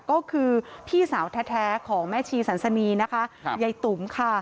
ก็คือพี่สาวแท้ของแม่ชีสันสนีนะคะยายตุ๋มค่ะ